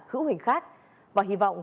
hữu hình khác và hy vọng